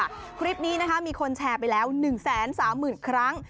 อันนี้มีคนแชร์ไปแล้ว๑๓๐๐๐๐ครั้ง